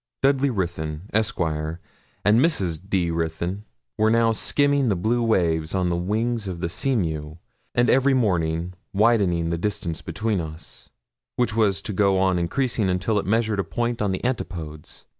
Dudley Ruthyn, Esq., and Mrs. D. Ruthyn, were now skimming the blue waves on the wings of the Seamew, and every morning widened the distance between us, which was to go on increasing until it measured a point on the antipodes.